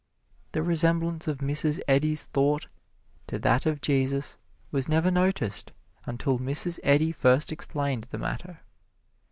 The resemblance of Mrs. Eddy's thought to that of Jesus was never noticed until Mrs. Eddy first explained the matter.